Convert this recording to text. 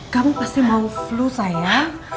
kamu pasti mau flu saya